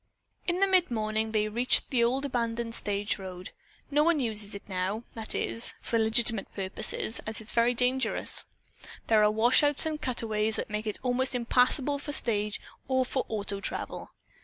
In the mid morning they reached the old abandoned stage road. "No one uses it now, that is, for legitimate purposes, as it is very dangerous. There are washouts and cutways that make it almost impassable for stage or for auto travel."